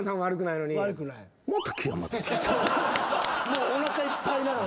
もうおなかいっぱいなのに。